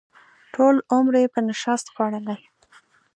ټول عمر یې په نشت خوړلی.